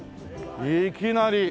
いきなり。